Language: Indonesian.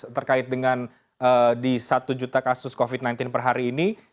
terkait dengan di satu juta kasus covid sembilan belas per hari ini